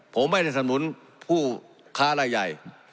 ผมไม่ได้สำนุนผู้ค้ารายใหญ่